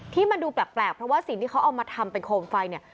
ที่มันดูแปลกเพราะว่าสิ่งที่เขาเอามาทำเป็นโคมไฟเนี่ย